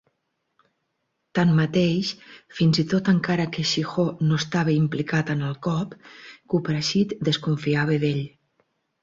Tanmateix, fins i tot encara que Siho no estava implicat en el cop, Kouprasith desconfiava d'ell.